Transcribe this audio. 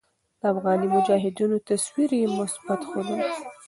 د افغاني مجاهدينو تصوير ئې مثبت ښودلے